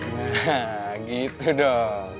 nah gitu dong